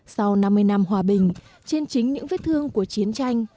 sau năm mươi năm hòa bình trên chính những vết thương của chiến tranh